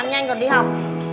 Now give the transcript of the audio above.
ăn nhanh còn đi học